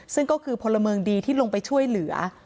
ซึ่งก็คือพลเมืองดีที่ลงไปช่วยเหลือ